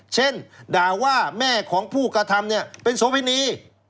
เช่นด่าว่าแม่ของผู้กระทำเป็นโสวินี